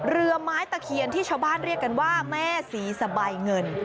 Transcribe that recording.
เรือไม้ตะเคียนที่ชาวบ้านเรียกกันว่าแม่ศรีสบายเงิน